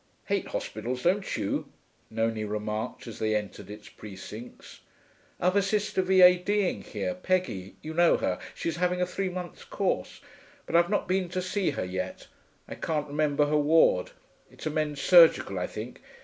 'Hate hospitals, don't you?' Nonie remarked, as they entered its precincts. 'I've a sister V.A.D.ing here Peggy, you know her, she's having a three months' course but I've not been to see her yet. I can't remember her ward; it's a men's surgical, I think.